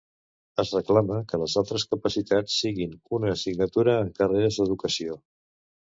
Es reclama que les altres capacitats siguin una assignatura en carreres d'educació.